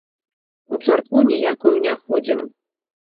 У царкву ніякую не ходзім.